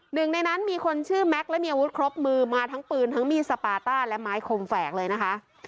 หนึ่งในนั้นมีคนชื่อแม็กซ์และมีอาวุธครบมือมาทั้งปืนทั้งมีดสปาต้าและไม้คมแฝกเลยนะคะ